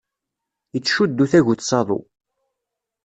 Ittcuddu tagut s aḍu.